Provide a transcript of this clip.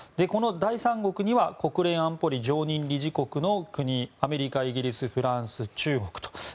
この第三国には国連安保理常任理事国の国アメリカ、イギリスフランス、中国と。